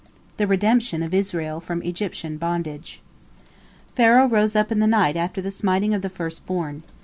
THE REDEMPTION OF ISRAEL FROM EGYPTIAN BONDAGE Pharaoh rose up in the night of the smiting of the first born.